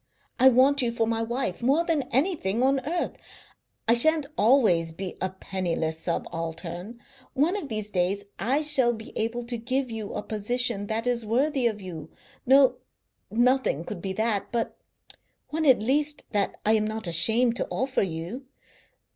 I want you for my wife more than anything on earth. I shan't always be a penniless subaltern. One of these days I shall be able to give you a position that is worthy of you; no, nothing could be that, but one at least that I am not ashamed to offer to you.